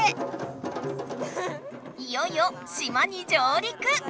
いよいよ島に上りく！